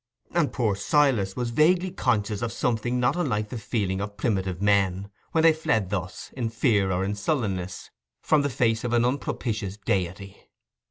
And poor Silas was vaguely conscious of something not unlike the feeling of primitive men, when they fled thus, in fear or in sullenness, from the face of an unpropitious deity.